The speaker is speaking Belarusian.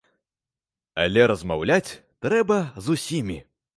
Але размаўляць трэба з усімі.